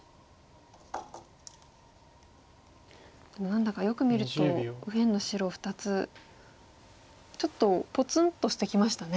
ただ何だかよく見ると右辺の白２つちょっとポツンとしてきましたね。